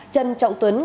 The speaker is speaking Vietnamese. trần trọng tuấn